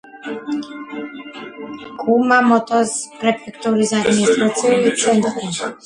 კუმამოტოს პრეფექტურის ადმინისტრაციული ცენტრი.